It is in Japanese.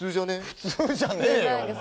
普通じゃねえよ。